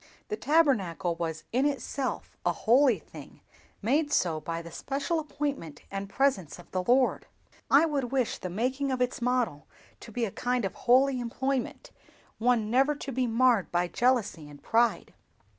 The Tabernacle was in itself a holy thing, made so by the special appointment and presence of the Lord. I would wish the making of its model to be a kind of holy employment, one never to be marred by jealousy and pride.